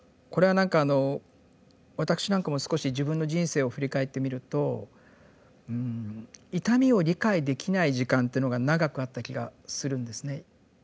これは何か私なんかも少し自分の人生を振り返ってみると痛みを理解できない時間っていうのが長くあった気がするんですね。